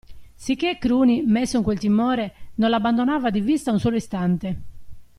Sicché Cruni, messo in quel timore, non l'abbandonava di vista un solo istante.